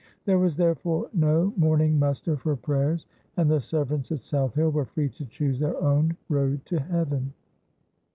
There was therefore no morning muster for prayers, and the servants at South Hill were free to choose their own road to heaven.